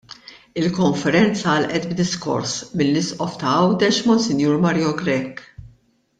Il-konferenza għalqet b'diskors mill-Isqof ta' Għawdex Mons. Mario Grech.